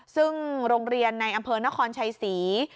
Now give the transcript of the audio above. ซึ่งโรงเรียนในอำเภอนครชัยศรี